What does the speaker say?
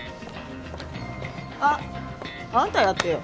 あっあんたやってよ。